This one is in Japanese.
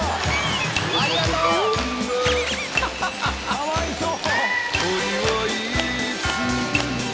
かわいそう。